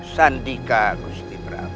sandika agusti prabu